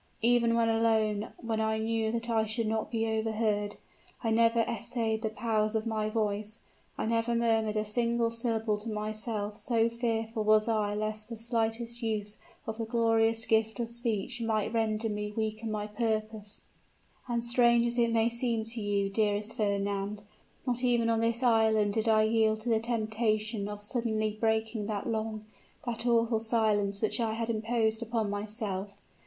Even when alone when I knew that I should not be overheard I never essayed the powers of my voice, I never murmured a single syllable to myself so fearful was I lest the slightest use of the glorious gift of speech might render me weak in my purpose. And strange as it may seem to you, dearest Fernand, not even on this island did I yield to the temptation of suddenly breaking that long, that awful silence which I had imposed upon myself.